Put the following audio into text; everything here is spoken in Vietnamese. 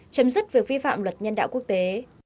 chấm dứt việc vi phạm luật nhân đạo quốc tế